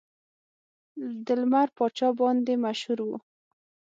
د لمر پاچا باندې مشهور و.